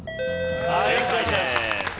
正解です。